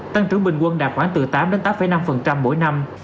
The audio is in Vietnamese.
tăng trưởng bình quân đạt khoảng từ tám tám năm mỗi năm